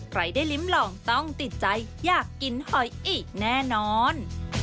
ใครได้ลิ้มลองต้องติดใจอยากกินหอยอีกแน่นอน